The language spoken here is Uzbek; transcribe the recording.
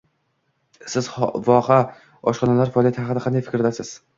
Siz voha oshxonalari faoliyati haqida qanday fikrdasiz?